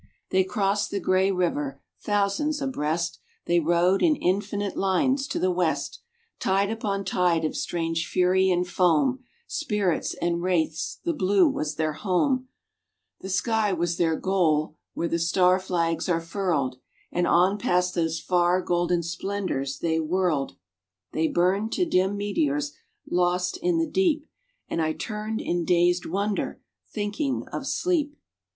They crossed the gray river, thousands abreast, They rode in infinite lines to the west, Tide upon tide of strange fury and foam, Spirits and wraiths, the blue was their home, The sky was their goal where the star flags are furled, And on past those far golden splendors they whirled. They burned to dim meteors, lost in the deep. And I turned in dazed wonder, thinking of sleep.